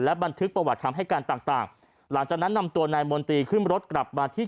บันทึกประวัติคำให้การต่างต่างหลังจากนั้นนำตัวนายมนตรีขึ้นรถกลับมาที่